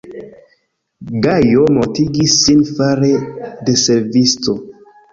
Gajo mortigis sin fare de servisto.